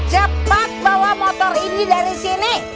cepat bawa motor ini dari sini